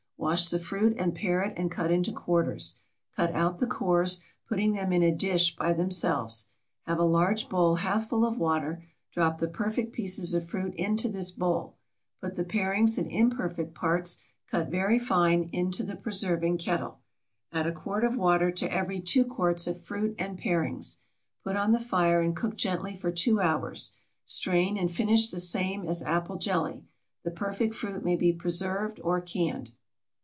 Wash the fruit and pare it and cut in quarters. Cut out the cores, putting them in a dish by themselves. Have a large bowl half full of water; drop the perfect pieces of fruit into this bowl. Put the parings and imperfect parts, cut very fine, into the preserving kettle. Add a quart of water to every 2 quarts of fruit and parings. Put on the fire and cook gently for two hours. Strain and finish the same as apple jelly. The perfect fruit may be preserved or canned.